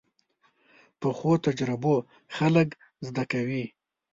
پخو تجربو خلک زده کوي